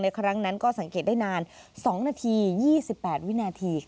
ครั้งนั้นก็สังเกตได้นาน๒นาที๒๘วินาที